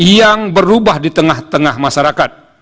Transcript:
yang berubah di tengah tengah masyarakat